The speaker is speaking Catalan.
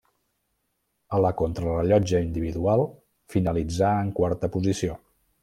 A la contrarellotge individual finalitzà en quarta posició.